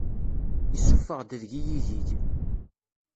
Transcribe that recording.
Isuffeɣ-d deg-i igig.